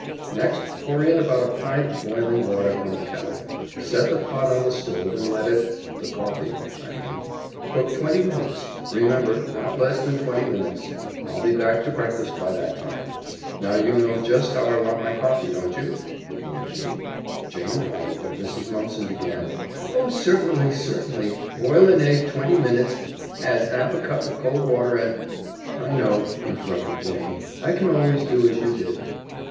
Next pour in about a pint of boiling water from the kettle, set the pot on the stove and let it the coffee, I mean cook twenty minutes, remember, not less than twenty minutes. I'll be back to breakfast by that time. Now you know just how I want my coffee, don't you?" looking at Jane. Jane nodded, but Mrs. Mumpson began, "Oh certainly, certainly! Boil an egg twenty minutes, add half a cup of cold water, and " "I know," interrupted Jane, "I can always do as you did."